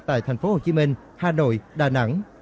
tại thành phố hồ chí minh hà nội đà nẵng